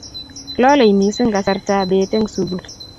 lolei mising kasartab beet eng' sukul